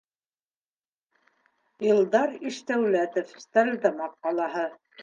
Илдар ИШДӘҮЛӘТОВ, Стәрлетамаҡ ҡалаһы: